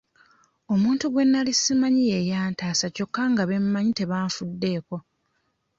Omuntu gwe nali simanyi ye yantaasa kyokka nga be mmanyi tebanfuddeeko.